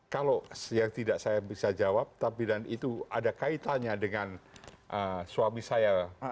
kalau yang tidak saya bisa jawab tapi dan itu ada kaitannya dengan suami saya